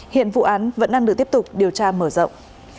hiện vụ án vẫn đang được tiếp tục điều tra mở rộng